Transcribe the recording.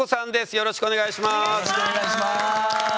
よろしくお願いします。